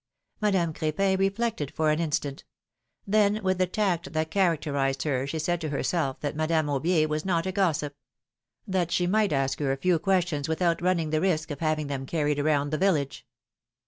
^^ Madame Cr6pin reflected for an instant ; then with the tact that characterized her she said to herself that Madame Aubier was not a gossip ; that she might ask her a few questions without running the risk of having them carried around the village.